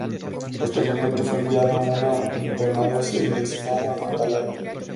Posteriormente, fue enviado a un internado salesiano en Mandalay.